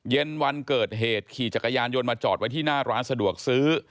วันเกิดเหตุขี่จักรยานยนต์มาจอดไว้ที่หน้าร้านสะดวกซื้อ